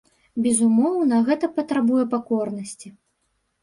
Безумоўна, гэта патрабуе пакорнасці.